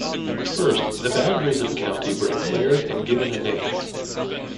First the boundaries of a county were declared and given a name.